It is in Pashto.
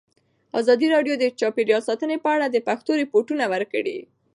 ازادي راډیو د چاپیریال ساتنه په اړه د پېښو رپوټونه ورکړي.